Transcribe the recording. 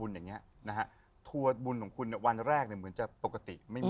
แจ๊คจิลวันนี้เขาสองคนไม่ได้มามูเรื่องกุมาทองอย่างเดียวแต่ว่าจะมาเล่าเรื่องประสบการณ์นะครับ